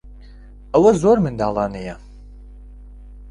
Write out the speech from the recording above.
ئەوە زۆر منداڵانەیە.